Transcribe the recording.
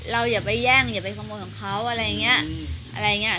อย่าไปแย่งอย่าไปขโมยของเขาอะไรอย่างเงี้ยอะไรอย่างเงี้ย